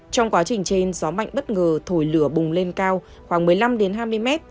trong quá trình trên gió mạnh bất ngờ thổi lửa bùng lên cao khoảng một mươi năm hai mươi mét